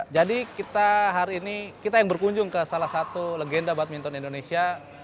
jadi kita hari ini kita yang berkunjung ke salah satu legenda badminton indonesia